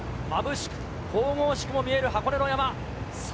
まぶしく神々しくも見える箱根の山。